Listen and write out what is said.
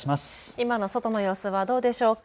今の外の様子はどうでしょうか。